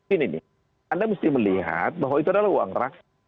ini nih anda mesti melihat bahwa itu adalah uang rakyat